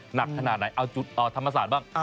หนักขนาดไหนเอาจุดธรรมศาสตร์บ้าง